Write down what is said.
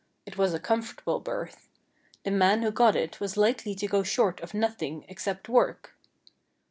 It was a comfortable berth. The man who got it was likely to go short of nothing except work.